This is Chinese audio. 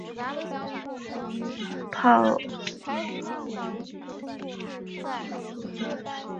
葫芦碘泡虫为碘泡科碘泡虫属的动物。